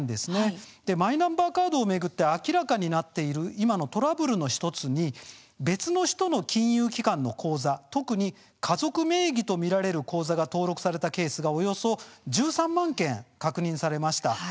マイナンバーカードを巡って明らかになっているトラブルの１つに別の人の金融機関の口座特に家族名義と見られる口座が登録されたケースがおよそ１３万件確認されました。